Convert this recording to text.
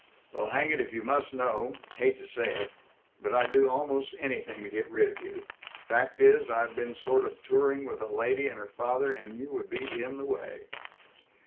"Well, hang it, if you must know Hate to say it, but I'd do almost anything to get rid of you. Fact is, I've been sort of touring with a lady and her father, and you would be in the way!"